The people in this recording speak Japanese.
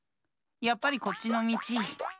やっぱりこっちのみち！